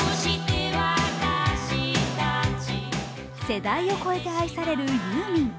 世代を超えて愛されるユーミン。